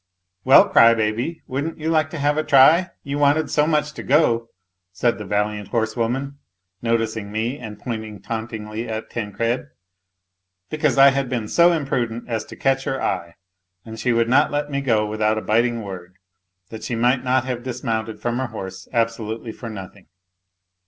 ," Well, cry baby, wouldn't" you like to have a try ? You wanted so much to go ?" said the valiant horsewoman, noticing me and pointing tauntingly at Tancred, because I had been so imprudent as to catch her eye, and she would not let me go without a biting word, that she might not have dismounted from her horse absolutely for no tiling.